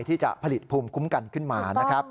ที่จะผลิตภูมิคุ้มกันขึ้นมานะครับ